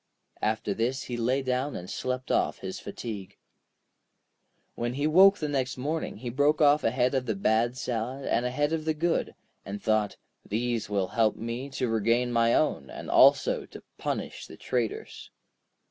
After this he lay down and slept off his fatigue. When he woke next morning he broke off a head of the bad salad, and a head of the good, and thought: 'These will help me to regain my own, and also to punish the traitors.'